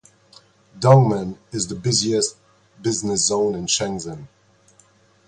Dongmen is the busiest business zone in Shenzhen.